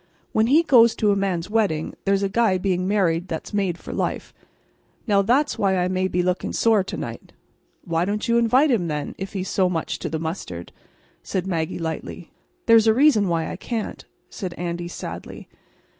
When he goes to a man's wedding, there's a guy being married that's made for life. Now, that's why I'm maybe looking sore to night." "Why don't you invite him, then, if he's so much to the mustard?" said Maggie, lightly. "There's a reason why I can't," said Andy, sadly.